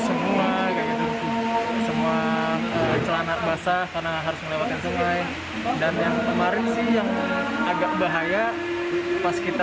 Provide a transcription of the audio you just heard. semua kayak gitu semua celana basah karena harus melewati sungai dan yang kemarin sih yang agak bahaya pas kita